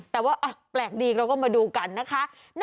แต่ว่าแปลกดีเราก็มาดูกันนะคะ